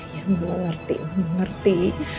ya ya aku ngerti